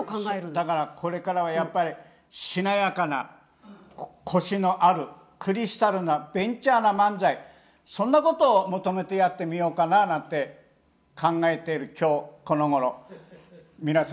だからこれからはやっぱりしなやかな腰のあるクリスタルなベンチャーな漫才そんなことを求めてやってみようかななんて考えている今日このごろ皆様